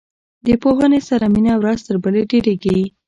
د پوهنې سره مینه ورځ تر بلې ډیریږي.